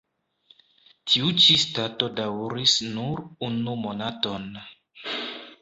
Tiu ĉi stato daŭris nur unu monaton.